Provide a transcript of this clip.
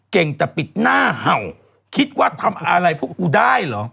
เก่งแต่ปิดหน้าเห่าคิดว่าทำอะไรพวกกูได้เหรอ